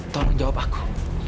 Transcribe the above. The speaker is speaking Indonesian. tolong jawab aku